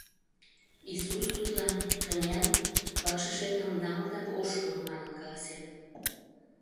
Исус тудлан «Кынел, вакшышетым нал да ошкыл» манын каласен.